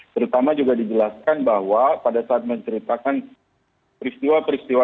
terutama juga dijelaskan bahwa pada saat menceritakan peristiwa peristiwa